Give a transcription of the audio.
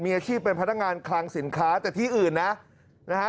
มีอาชีพเป็นพนักงานคลังสินค้าแต่ที่อื่นนะนะฮะ